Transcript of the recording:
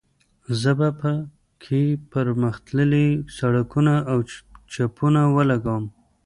زه به په کې پرمختللي سرکټونه او چپونه ولګوم